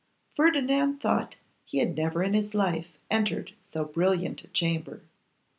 Ferdinand thought that he had never in his life entered so brilliant a chamber.